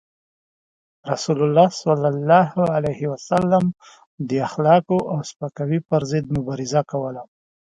رسول الله صلى الله عليه وسلم د اخلاقو او سپکاوي پر ضد مبارزه کوله.